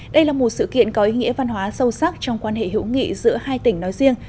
đây là một sự kiện có ý nghĩa văn hóa sâu sắc trong quan hệ hữu nghị giữa hai tỉnh nói riêng